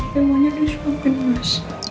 temonya udah swapping mas